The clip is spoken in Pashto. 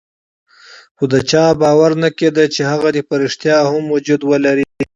خو د چا باور نه کېده چې هغه دې په ريښتیا هم وجود ولري.